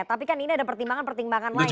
tapi kan ini ada pertimbangan pertimbangan lain